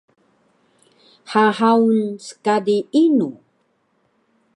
hhaun skadi inu?